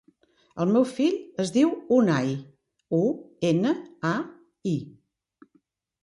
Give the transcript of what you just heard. El meu fill es diu Unai: u, ena, a, i.